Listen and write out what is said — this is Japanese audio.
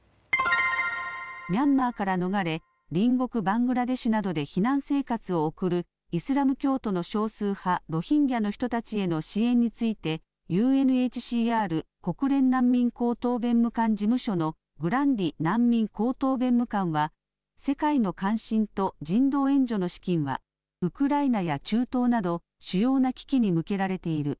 ミャンマーから逃れ隣国バングラデシュなどで避難生活を送るイスラム教徒の少数派、ロヒンギャの人たちへの支援についてＵＮＨＣＲ・国連難民高等弁務官事務所のグランディ難民高等弁務官は世界の関心と人道援助の資金はウクライナや中東など主要な危機に向けられている。